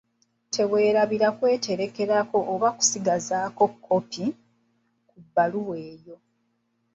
Teweerabira kweterekerako oba kusigaza 'kkopi', ku bbaluwa eyo.